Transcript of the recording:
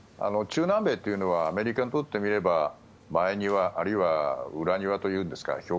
中南米というのはアメリカにとってみれば前庭あるいは裏庭というんですかね